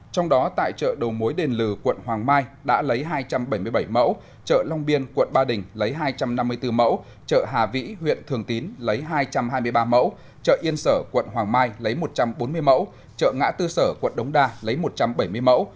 trong đó tại chợ đầu mối đền lừ quận hoàng mai đã lấy hai trăm bảy mươi bảy mẫu chợ long biên quận ba đình lấy hai trăm năm mươi bốn mẫu chợ hà vĩ huyện thường tín lấy hai trăm hai mươi ba mẫu chợ yên sở quận hoàng mai lấy một trăm bốn mươi mẫu chợ ngã tư sở quận đống đa lấy một trăm bảy mươi mẫu